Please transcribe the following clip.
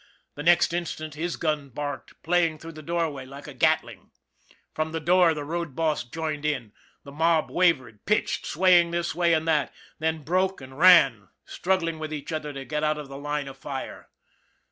The next instant his gun barked, playing through the doorway like a gatling. From the floor the road boss joined in. The mob wavered, pitched swaying this way and that, then broke and ran, struggling with each other to get out of the line of fire.